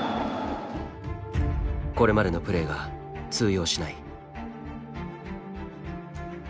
これまでのプレーが通用しない。